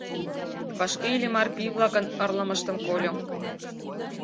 Вашке Иллимар пий-влакын ырлымыштым кольо.